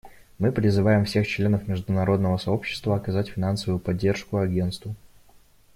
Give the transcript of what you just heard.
Мы призываем всех членов международного сообщества оказать финансовую поддержку Агентству.